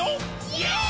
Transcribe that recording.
イエーイ！！